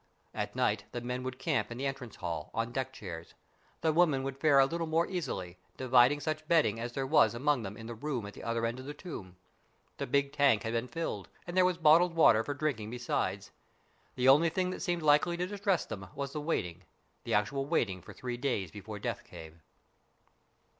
At night the men would camp in the entrance hall, on deck chairs. The women would fare a little more easily, dividing such bedding as there was among them in the room at the other end of the tomb. The big tank had been filled, and there was bottled BURDON'S TOMB 81 water for drinking besides. The only thing that seemed likely to distress them was the waiting, the actual waiting for three days before death came.